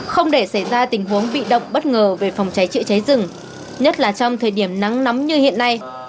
không để xảy ra tình huống bị động bất ngờ về phòng cháy chữa cháy rừng nhất là trong thời điểm nắng nóng như hiện nay